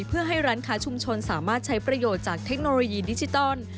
เพื่อให้ร้านค้าชุมชนสามารถใช้ประโยชน์จากเทคโนโลยีดิจิตอล